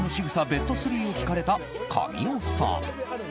ベスト３を聞かれた神尾さん。